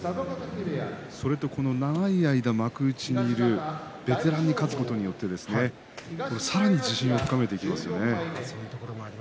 それと長い間幕内にいるベテランに勝つことでさらに自信を深めていきますね。